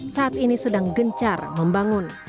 saat ini sedang gencar membangun